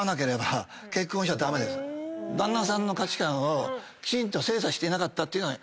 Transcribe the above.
旦那さんの価値観をきちんと精査していなかったのが１点目。